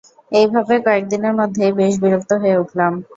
এইভাবে কয়েকদিনের মধ্যেই বেশ বিরক্ত হয়ে উঠলাম।